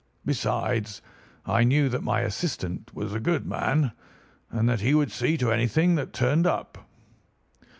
Besides, I knew that my assistant was a good man, and that he would see to anything that turned up.